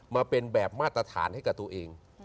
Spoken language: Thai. มาเป็นแบบมาตรฐานให้กับตัวเอง